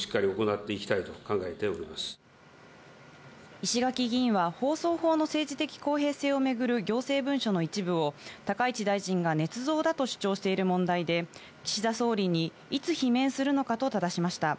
石垣議員は放送法の政治的公平性をめぐる行政文書の一部を高市大臣がねつ造だと主張している問題で、岸田総理にいつ罷免するのかと質しました。